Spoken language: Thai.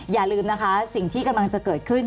อย่าลืมนะคะสิ่งที่กำลังจะเกิดขึ้น